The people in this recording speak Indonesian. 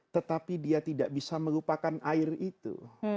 tetapi dia tidak bisa melupakan air itu